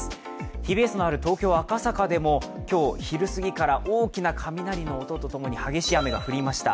ＴＢＳのある東京・赤坂でも今日昼すぎから大きな雷の音ともに激しい雨が降りました。